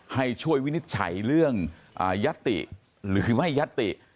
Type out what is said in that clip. ให้ช่วยวินิจฉัยเรื่องยัตติหรือไม่ยัตติ